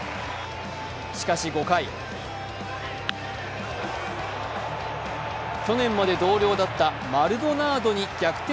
しかし５回、去年まで同僚だったマルドナードに逆転